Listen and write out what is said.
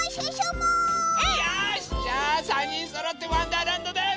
よしじゃあ３にんそろって「わんだーらんど」です！